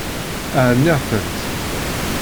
Rniɣ-tent.